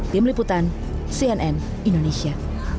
tim liputan cnn indonesia